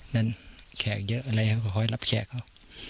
นั้นแขกเยอะอะไรเขาก็ขอให้รับแขกเขา